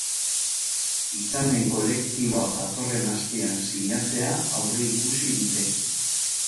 Hitzarmen kolektiboa datorren astean sinatzea aurreikusi dute.